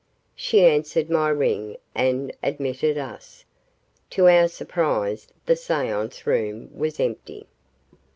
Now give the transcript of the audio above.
She answered my ring and admitted us. To our surprise, the seance room was empty.